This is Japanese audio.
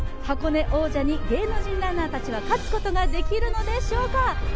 箱根王者に芸能人ランナーたちは勝つことができるのでしょうか。